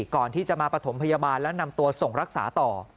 ก่อนที่จะมาประถมพยาบาลแล้วนำตัวส่งรักษาต่อ